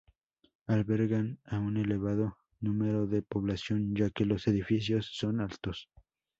Albergan a un elevado número de población, ya que los edificios son altos.